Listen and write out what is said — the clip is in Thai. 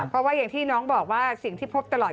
เพราะว่าอย่างที่น้องบอกว่าสิ่งที่พบตลอด